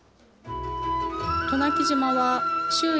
渡名喜島は周囲